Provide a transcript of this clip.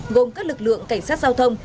gồm các lực lượng cảnh sát giao thông